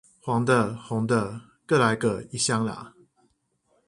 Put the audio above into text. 黃的紅的各來個一箱啦